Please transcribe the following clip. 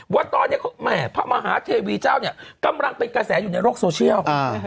ว่าตอนนี้แหม่พระมหาเทวีเจ้าเนี่ยกำลังเป็นกระแสอยู่ในโลกโซเชียล